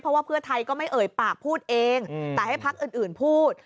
เพราะว่าเพื่อไทยก็ไม่เอ่ยปากพูดเองแต่ให้พักอื่นพูด